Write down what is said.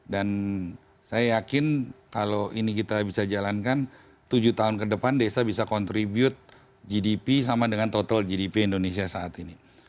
dan saya yakin kalau ini kita bisa jalankan tujuh tahun kedepan desa bisa contribute gdp sama dengan total gdp indonesia saat ini